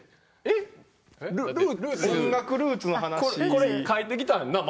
これ書いてきたんな？